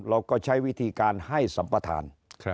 เราก็ใช้วิธีการให้สัมปทาน